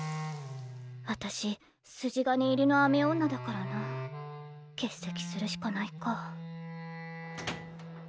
私筋金入りの雨女だからな。欠席するしかないか。